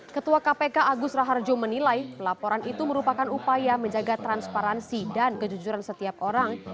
ketua kpk agus raharjo menilai pelaporan itu merupakan upaya menjaga transparansi dan kejujuran setiap orang